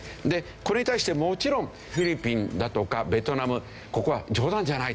これに対してもちろんフィリピンだとかベトナムここは冗談じゃないと。